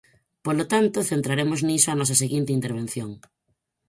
Polo tanto, centraremos niso a nosa seguinte intervención.